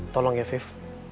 tolong ya hafif